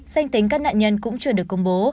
danh tính các nạn nhân cũng chưa được công bố